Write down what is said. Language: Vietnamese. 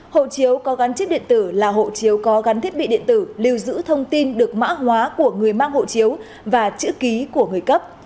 hộ chiếu có gắn chiếc điện tử là hộ chiếu có gắn thiết bị điện tử lưu giữ thông tin được mã hóa của người mang hộ chiếu và chữ ký của người cấp